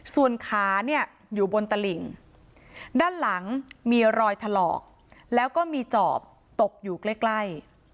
ส่วนขาเนี่ยอยู่บนตลิ่งด้านหลังมีรอยถลอกแล้วก็มีจอบตกอยู่ใกล้